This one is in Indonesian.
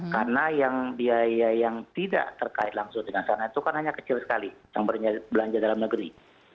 karena yang biaya yang tidak terkait langsung dengan sana itu kan hanya kecil sekali yang belanja dalam negeri